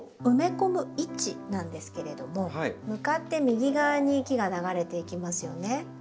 埋め込む位置なんですけれども向かって右側に木が流れていきますよね。